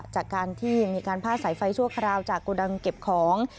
จากการที่มีการพาดสายไฟชั่วคราวจากโกดังเก็บของ